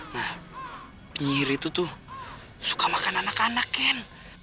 nah penyihir itu tuh suka makan anak anak ken